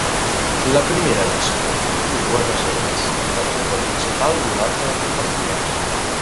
La Primera Nació té dues reserves, la reserva principal i una altra de compartida.